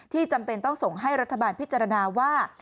จำเป็นต้องส่งให้รัฐบาลพิจารณาว่า